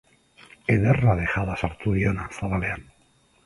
Ederra dejada sartu diona zabalean.